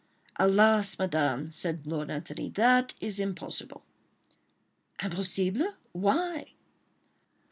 "Alas, Madame!" said Lord Antony, "that is impossible." "Impossible?—Why?"